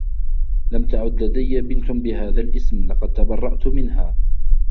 لم تعد لديّ بنت بهذا الإسم. لقد تبرّأت منها.